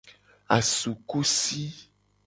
Asukusi.